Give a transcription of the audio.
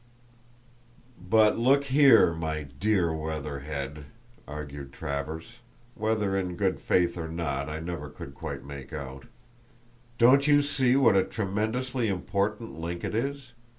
"But look here, my dear Weatherhead," argued Travers (whether in good faith or not I never could quite make out), "don't you see what a tremendously important link it is?